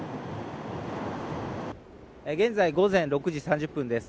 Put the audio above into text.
現在午前６時３０分です。